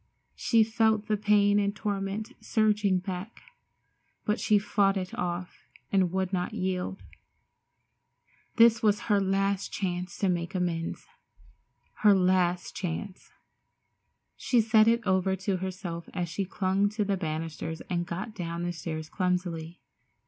She felt the pain and torment surging back, but she fought it off and would not yield. This was her last chance to make amends—her last chance. She said it over to herself as she clung to the banisters and got down the stairs clumsily.